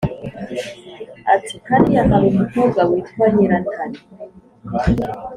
ati: hariya hari umukobwa witwa nyirantare,